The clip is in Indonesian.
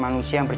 kalau yang baru